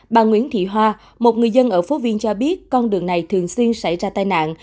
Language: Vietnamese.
bà nguyễn thị hoa một người dân ở phố viên cho biết con đường này thường xuyên xảy ra tai nạn